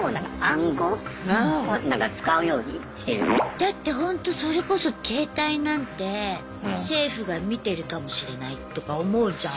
だってほんとそれこそ携帯なんて政府が見てるかもしれないとか思うじゃん。